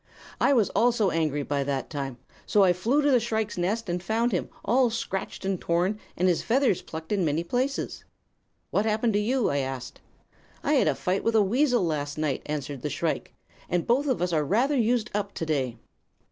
"I was also angry, by that time; so I flew to the shrike's nest and found him all scratched and torn and his feathers plucked in many places. "'What has happened to you?' I asked. "'I had a fight with a weasel last night,' answered the shrike, 'and both of us are rather used up, today.'